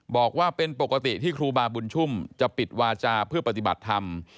บอกว่าเป็นปกติที่ครูบาบุญชุมจะปิดวาจาเพื่อปฏิบัติธรรม